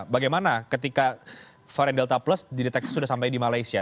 bagaimana ketika varian delta plus dideteksi sudah sampai di malaysia